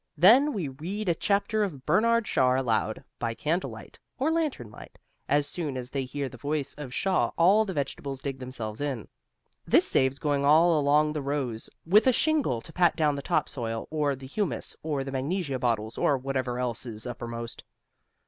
Then we read a chapter of Bernard Shaw aloud, by candle light or lantern light. As soon as they hear the voice of Shaw all the vegetables dig themselves in. This saves going all along the rows with a shingle to pat down the topsoil or the humus or the magnesia bottles or whatever else is uppermost.